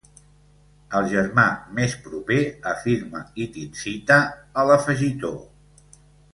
El germà més proper afirma i t'incita a l'afegitó.